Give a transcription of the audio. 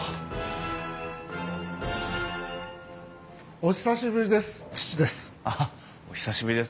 お久しぶりです父です。